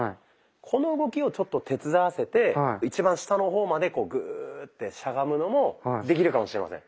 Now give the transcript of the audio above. この動きをちょっと手伝わせて一番下の方までこうグーッてしゃがむのもできるかもしれません。